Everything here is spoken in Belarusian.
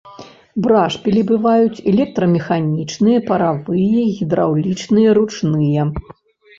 Брашпілі бываюць электрамеханічныя, паравыя, гідраўлічныя, ручныя.